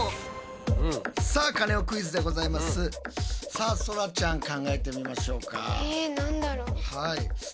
さあそらちゃん考えてみましょうか。